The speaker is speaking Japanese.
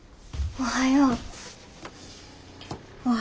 おはよう。